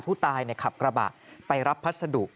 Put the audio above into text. ผู้ตายขับกระบะไปรับพัสดุ